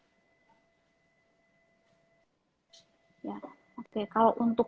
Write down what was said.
oke kalau untuk